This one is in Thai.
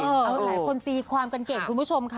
หลายคนตีความกันเก่งคุณผู้ชมค่ะ